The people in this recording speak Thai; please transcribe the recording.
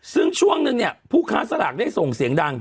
ซึ่งช่วงนึงเนี่ยผู้ค้าสลากได้ส่งเสียงดัง